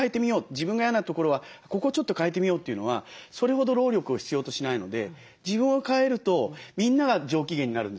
自分が嫌なところはここをちょっと変えてみようというのはそれほど労力を必要としないので自分を変えるとみんなが上機嫌になるんですよ。